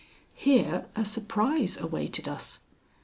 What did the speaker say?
Here a surprise awaited us.